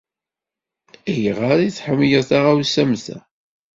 Ayɣer ay tḥemmleḍ taɣawsa am ta?